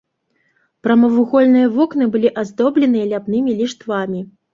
Прамавугольныя вокны былі аздобленыя ляпнымі ліштвамі.